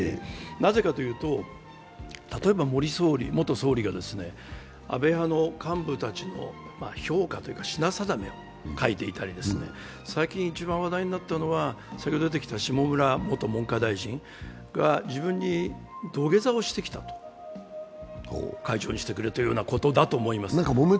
なぜかというと、例えば森元総理が安倍派幹部たちのことを書いていたり最近一番話題になったのは、下村元文科大臣が自分に土下座をしてきた、会長にしてくれというようなことだと思います